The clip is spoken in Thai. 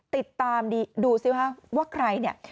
ติดตามดูซิว่าใครเนี่ย